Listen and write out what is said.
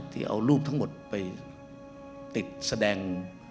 ที่เอารูปทั้งหมดไปติดแสดง